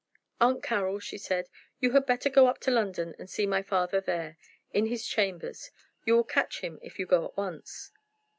"Aunt Carroll," she said, "you had better go up to London and see my father there in his chambers. You will catch him if you go at once."